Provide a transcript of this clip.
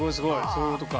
そういうことか。